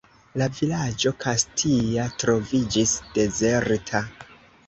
La vilaĝo Kastia troviĝis dezerta.